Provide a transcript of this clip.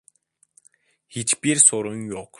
Hiçbir sorun yok.